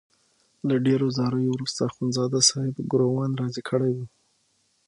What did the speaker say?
له ډېرو زاریو وروسته اخندزاده صاحب ګوروان راضي کړی وو.